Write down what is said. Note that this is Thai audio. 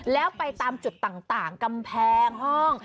แล้วไปตามจุดต่างกำแพงห้อง